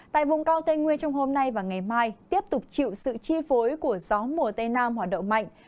tại vùng cao tây nguyên trong hôm nay và ngày mai tiếp tục chịu sự chi phối của gió mùa tây nam hoạt động mạnh